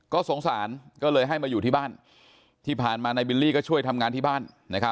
ก็สงสารก็เลยให้มาอยู่ที่บ้านที่ผ่านมานายบิลลี่ก็ช่วยทำงานที่บ้าน